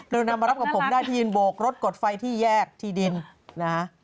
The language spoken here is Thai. เรานำมารับกับผมได้ที่ยืนโบกรถกดไฟที่แยกที่ดินนะฮะ